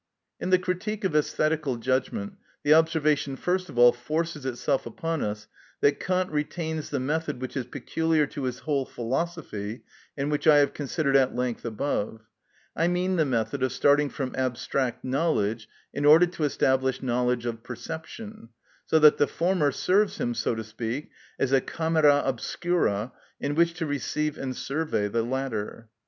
In the "Critique of Æsthetical Judgment" the observation first of all forces itself upon us that Kant retains the method which is peculiar to his whole philosophy, and which I have considered at length above—I mean the method of starting from abstract knowledge in order to establish knowledge of perception, so that the former serves him, so to speak, as a camera obscura in which to receive and survey the latter.